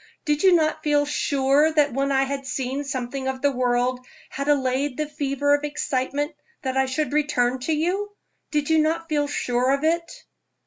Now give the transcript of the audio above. Did you not feel sure that when I had seen something of the world had allayed the fever of excitement that I should return to you? Did you not feel sure of it?"